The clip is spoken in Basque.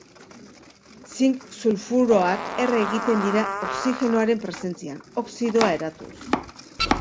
Zink sulfuroak erre egiten dira oxigenoaren presentzian, oxidoa eratuz.